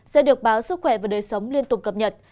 sẽ được báo sức khỏe và đời sống liên tục cập nhật